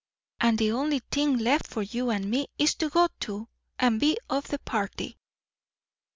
And the only thing left for you and me is to go too, and be of the party!"